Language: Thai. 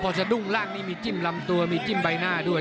พอสะดุ้งล่างนี่มีจิ้มลำตัวมีจิ้มใบหน้าด้วย